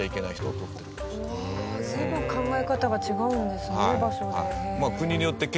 随分考え方が違うんですね場所でね。